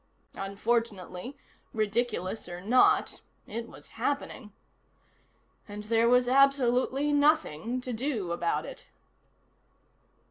Unfortunately, ridiculous or not, it was happening. And there was absolutely nothing to do about it.